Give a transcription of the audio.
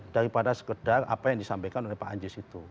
daripada sekedar apa yang disampaikan oleh pak anjis itu